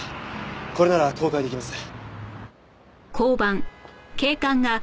これなら公開出来ます。